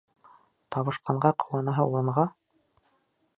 Табышҡанға ҡыуанаһы урынға...